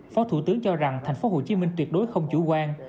phó thủ tướng cho rằng thành phố hồ chí minh tuyệt đối không chủ quan